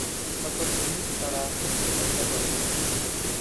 Otot ini setara dengan tenderloin.